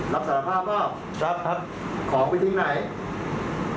รับสารภาพเปล่าของไปทิ้งไหนครับ